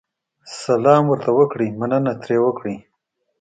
سلام ورته وکړئ، مننه ترې وکړئ.